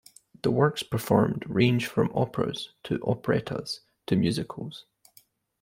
The works performed range from operas to operettas to musicals.